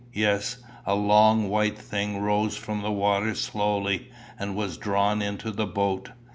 Yes; a long white thing rose from the water slowly, and was drawn into the boat.